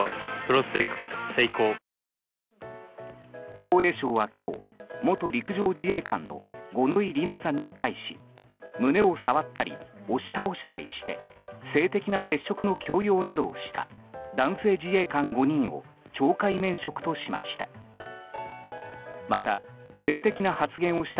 防衛省は今日、元陸上自衛官の五ノ井里奈さんに対し胸を触ったり押し倒したりして性的な接触の強要などをした男性自衛官５人を懲戒免職としました。